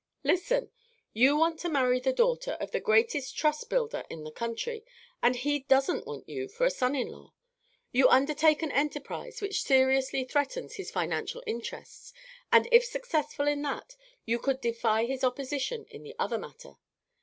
"Listen! You want to marry the daughter of the greatest trust builder in the country, and he doesn't want you for a son in law. You undertake an enterprise which seriously threatens his financial interests, and if successful in that, you could defy his opposition in the other matter.